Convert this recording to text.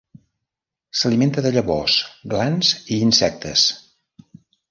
S'alimenta de llavors, glans i insectes.